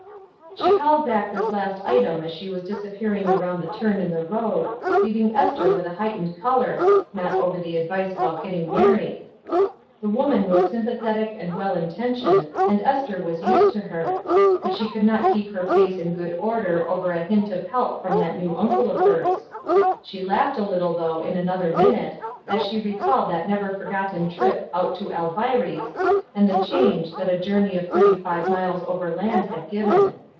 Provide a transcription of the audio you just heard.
She called back this last item as she was disappearing around the turn in the road, leaving Esther with a heightened color, not over the advice about getting married. The woman was sympathetic and well intentioned, and Esther was used to her; but she could not keep her face in good order over a hint of help from that new uncle of hers. She laughed a Httle, though, in another minute, as she recalled that never forgotten trip "out to Alviry's" and the "change" that a journey of thirty five miles overland had given.